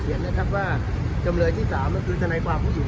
เขียนนะครับว่าจำเลยที่สามนั่นคือสนัยควาผู้หญิง